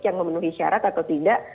yang memenuhi syarat atau tidak